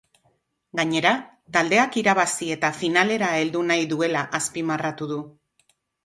Gainera, taldeak irabazi eta finalera heldu nahi duela azpimarratu du.